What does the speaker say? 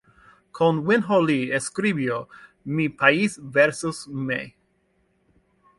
Con Wen Ho Lee, escribió "Mi País Versus Me.